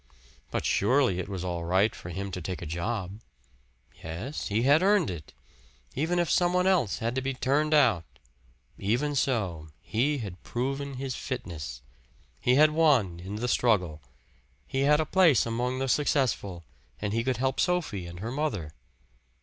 But surely it was all right for him to take a job. Yes, he had earned it. Even if some one else had to be turned out even so, he had proven his fitness. He had won in the struggle. He had a place among the successful, and he could help Sophie and her mother.